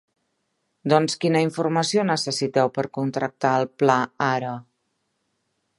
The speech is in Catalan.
Doncs quina informació necessiteu per contractar el pla ara?